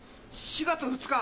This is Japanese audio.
４月２日。